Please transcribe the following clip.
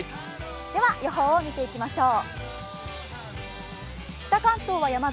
では予報を見ていきましょう。